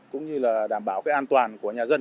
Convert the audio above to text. cũng như là đảm bảo cái an toàn của nhà dân